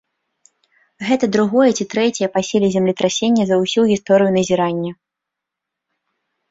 Гэта другое ці трэцяе па сіле землетрасенне за ўсю гісторыю назірання.